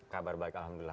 kabar baik alhamdulillah